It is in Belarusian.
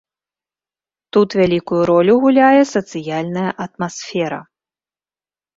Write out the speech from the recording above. Тут вялікую ролю гуляе сацыяльная атмасфера.